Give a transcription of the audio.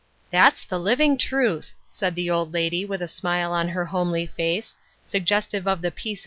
"That's the living truth," said the old lady with a smile on her homely face, suggestive of the peace 25O BELATED WORK.